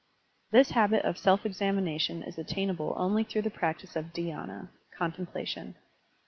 This habit of self examination is attainable only through the practice of dhydna, contemplation.